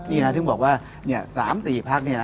นี่นะถึงบอกว่าเนี่ย๓๔พักเนี่ย